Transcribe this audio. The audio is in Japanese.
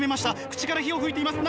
口から火を噴いています。